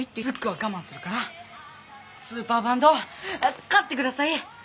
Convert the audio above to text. ズックは我慢するからスーパーバンドを買ってください！